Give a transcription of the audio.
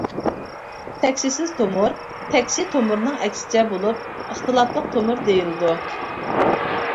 تەكشىسىز تومۇر تەكشى تومۇرنىڭ ئەكسىچە بولۇپ، ئىختىلاپلىق تومۇر دېيىلىدۇ.